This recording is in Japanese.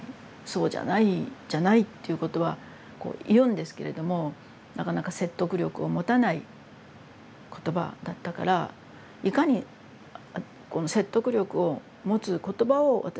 「そうじゃないんじゃない？」っていうことはこう言うんですけれどもなかなか説得力を持たない言葉だったからいかに説得力を持つ言葉を私が発することができるようになるか。